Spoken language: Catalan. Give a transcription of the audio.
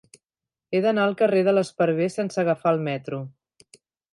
He d'anar al carrer de l'Esparver sense agafar el metro.